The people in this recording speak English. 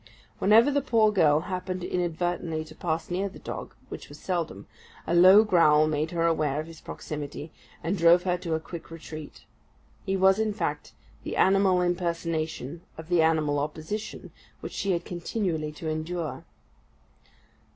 Whenever the poor girl happened inadvertently to pass near the dog, which was seldom, a low growl made her aware of his proximity, and drove her to a quick retreat. He was, in fact, the animal impersonation of the animal opposition which she had continually to endure.